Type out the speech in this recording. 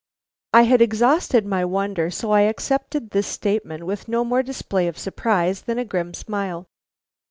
I had exhausted my wonder, so I accepted this statement with no more display of surprise than a grim smile.